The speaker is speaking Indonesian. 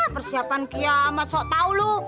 persiapan kiamat sok tau lu